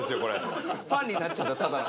ファンになっちゃったただの。